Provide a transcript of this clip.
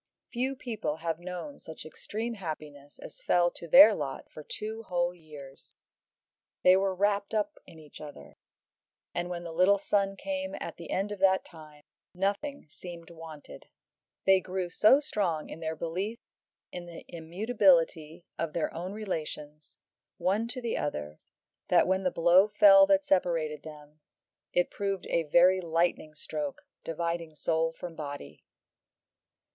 Few people have known such extreme happiness as fell to their lot for two whole years. They were wrapt up in each other, and when the little son came at the end of that time, nothing seemed wanted. They grew so strong in their belief in the immutability of their own relations, one to the other, that when the blow fell that separated them, it proved a very lightning stroke, dividing soul from body.